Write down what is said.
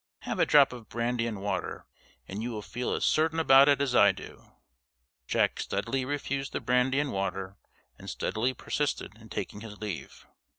Have a drop of brandy and water, and you will feel as certain about it as I do." Jack steadily refused the brandy and water, and steadily persisted in taking his leave.